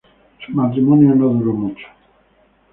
Su matrimonio no duró mucho.